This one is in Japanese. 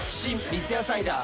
三ツ矢サイダー』